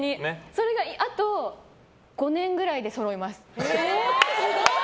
それがあと５年くらいでそろいます。